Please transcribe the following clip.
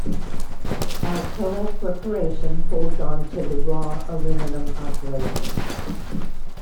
Alcoa Corporation holds onto the raw aluminum operations.